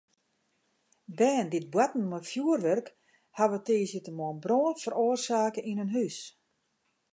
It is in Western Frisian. Bern dy't boarten mei fjoerwurk hawwe tiisdeitemoarn brân feroarsake yn in hús.